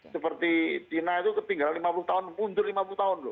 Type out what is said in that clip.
seperti dina itu ketinggalan lima puluh tahun mundur lima puluh tahun loh